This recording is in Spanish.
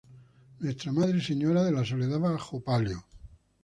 Nuestra Madre y Señora de la Soledad bajo palio.